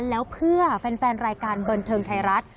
แล้วเพื่อแฟนรายการบันเทิงไทยรัฐ